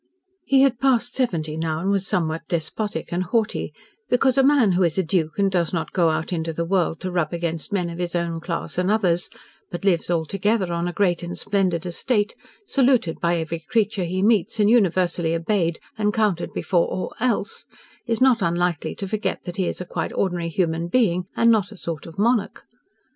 He had passed seventy now, and was somewhat despotic and haughty, because a man who is a Duke and does not go out into the world to rub against men of his own class and others, but lives altogether on a great and splendid estate, saluted by every creature he meets, and universally obeyed and counted before all else, is not unlikely to forget that he is a quite ordinary human being, and not a sort of monarch.